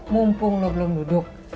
mumpung lo belum duduk